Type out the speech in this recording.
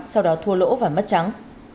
sau đó thua lỗ và mất trắng